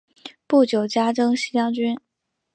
不久加征西将军。